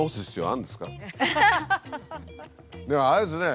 でもあれですね。